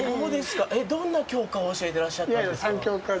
どんな教科を教えていらっしゃったんですか。